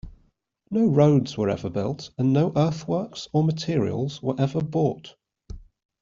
No roads were ever built, and no earthworks or materials were ever bought.